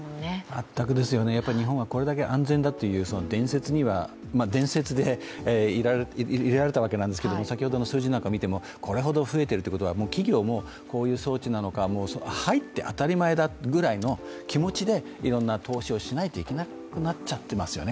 全くですよね、日本はこれだけ安全であると伝説でいられたわけですけれども先ほどの数字なんか見てもこれほど増えてると企業なんかもこういう装置なのか、入って当たり前だぐらいの気持ちで気持ちで、いろんな投資をしないといけないようになっちゃってますね。